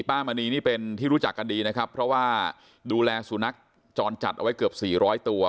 มณีนี่เป็นที่รู้จักกันดีนะครับเพราะว่าดูแลสุนัขจรจัดเอาไว้เกือบสี่ร้อยตัว